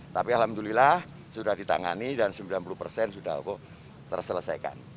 tapi alhamdulillah sudah ditangani dan sembilan puluh persen sudah terselesaikan